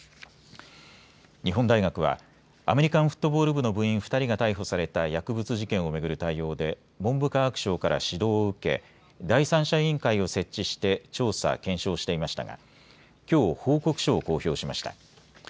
日本大学はアメリカンフットボール部の部員２人が逮捕された薬物事件を巡る対応で文部科学省から指導を受け第三者委員会を設置して調査・検証していましたがきょう報告書を公表しました。